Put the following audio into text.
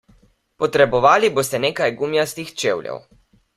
Potrebovali boste nekaj gumijastih čevljev.